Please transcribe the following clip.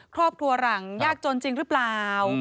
ครอบครัวหลังยากจนจริงหรือเปล่า